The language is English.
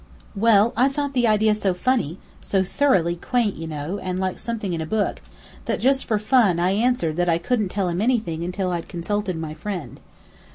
"Well, I thought the idea so funny, so thoroughly quaint, you know, and like something in a book, that just for fun I answered that I couldn't tell him anything until I'd consulted my friend.